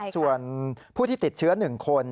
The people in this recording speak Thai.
ส่วนผู้ที่ติดเชื้อ๑คน